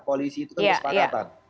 koalisi itu kan kesepakatan